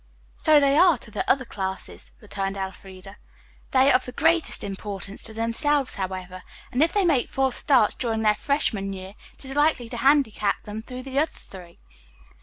"So they are to the other classes," returned Elfreda. "They are of the greatest importance to themselves, however, and if they make false starts during their freshman year it is likely to handicap them through the other three."